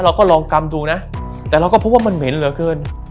เราก็ลองกำดูนะแต่เราก็พบว่ามันเหม็นเหลือเกิน